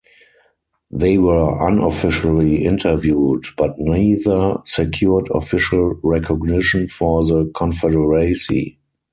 They were unofficially interviewed, but neither secured official recognition for the Confederacy.